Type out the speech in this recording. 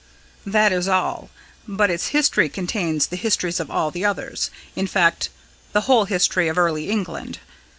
"That is all; but its history contains the histories of all the others in fact, the whole history of early England."